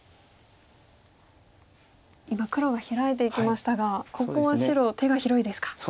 今黒がヒラいていきましたがここは白手が広いですか。